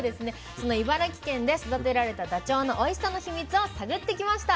その茨城県で育てられたダチョウのおいしさの秘密を探ってきました。